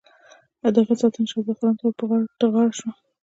د هغه ساتنه شهزاده خرم ته ور تر غاړه شوه.